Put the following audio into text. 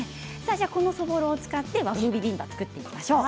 このそぼろを使って和風ビビンバを作っていきましょう。